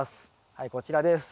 はいこちらです。